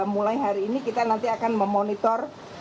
mulai hari ini kita nanti akan memonitor